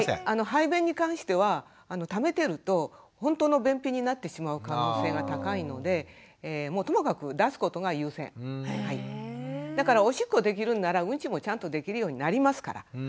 排便に関してはためてるとほんとの便秘になってしまう可能性が高いのでだからおしっこできるんならうんちもちゃんとできるようになりますから。